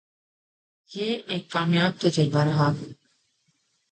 یہ ایک کامیاب تجربہ رہا ہے۔